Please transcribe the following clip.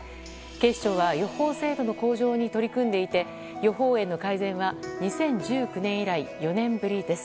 気象庁は予報精度の向上に取り組んでいて予報円の改善は２０１９年以来４年ぶりです。